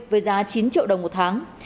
với giá chín triệu đồng một tháng